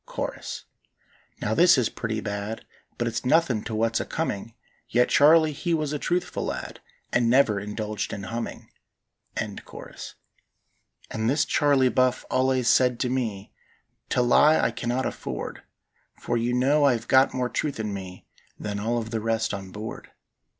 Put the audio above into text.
Chorus. Now this is pretty bad, But it's nothin' to what's a coming: Yet Charley he was a truthful lad, And never indulged in humming. And this Charley Buff allays said to me: "To lie I cannot afford, For you know I hev got more truth in me Than all of the rest on board.